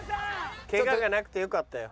ケガがなくてよかったよ。